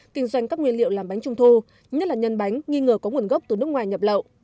kinh doanh các nguyên liệu làm bánh trung thu nhất là nhân bánh nghi ngờ có nguồn gốc từ nước ngoài nhập lậu